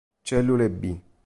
Cellule B